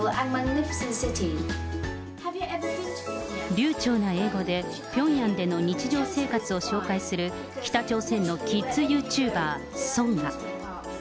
流ちょうな英語で、ピョンヤンでの日常生活を紹介する北朝鮮のキッズユーチューバー、ソンア。